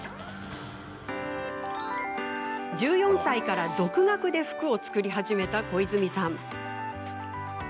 １４歳から独学で服を作り始めた小泉さん。